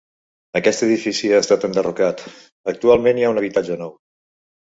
Aquest edifici ha estat enderrocat, actualment hi ha un habitatge nou.